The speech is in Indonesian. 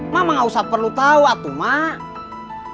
mak gak usah perlu tahu atu mak